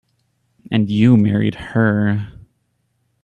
And you married her.